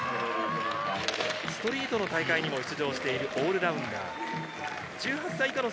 ストリートの大会にも出場しているオールラウンダーです。